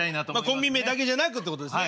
コンビ名だけじゃなくってことですね。